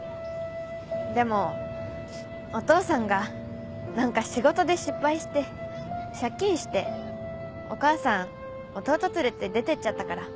でもお父さんがなんか仕事で失敗して借金してお母さん弟連れて出てっちゃったから。